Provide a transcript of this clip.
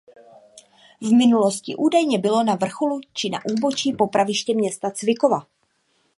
V minulosti údajně bylo na vrcholu či na úbočí popraviště města Cvikova.